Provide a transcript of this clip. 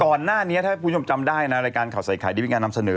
ก่อนหน้านี้ถ้าคุณผู้ชมจำได้นะรายการข่าวใส่ไข่ได้มีการนำเสนอ